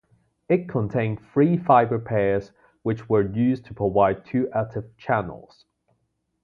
It contained three fibre pairs which were used to provide two active channels.